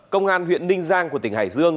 công an huyện ninh giang của tỉnh hải dương